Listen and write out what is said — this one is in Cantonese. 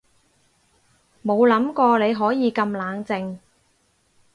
冇諗過你可以咁冷靜